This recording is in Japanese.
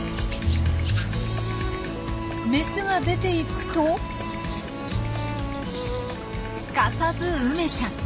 メスが出て行くとすかさず梅ちゃん。